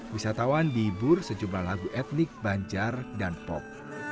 wisatawan dihibur sejumlah lagu etnik banjar dan pop